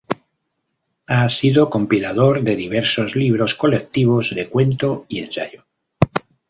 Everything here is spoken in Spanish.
Ha sido compilador de diversos libros colectivos de cuento y ensayo.